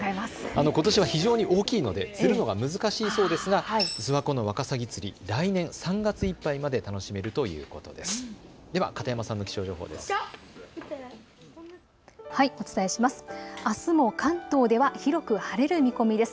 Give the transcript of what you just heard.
ことしは非常に大きいので釣るのが難しいそうですが諏訪湖のワカサギ釣り、来年３月いっぱいまで楽しめるということです。